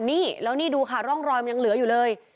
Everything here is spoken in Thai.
นี่แล้วนี่ดูค่ะร่องรอยมันยังเหลืออยู่เลย